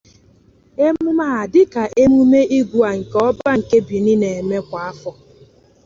Emume a dika emume Igue nke Ọba nke Benin na-eme kwa afọ.